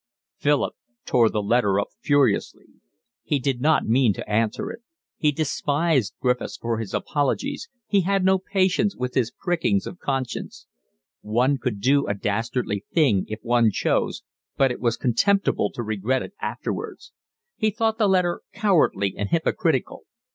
Philip tore up the letter furiously. He did not mean to answer it. He despised Griffiths for his apologies, he had no patience with his prickings of conscience: one could do a dastardly thing if one chose, but it was contemptible to regret it afterwards. He thought the letter cowardly and hypocritical.